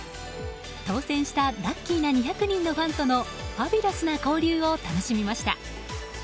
当選したラッキーな２００人のファンとのファビュラスな交流を楽しみました。